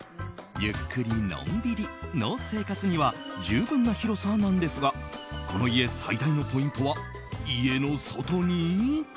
ゆっくりのんびりの生活には十分な広さなんですがこの家、最大のポイントは家の外に。